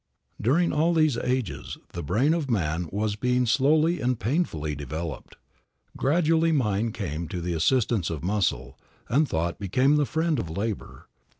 During all these ages, the brain of man was being slowly and painfully developed. Gradually mind came to the assistance of muscle, and thought became the friend of labor.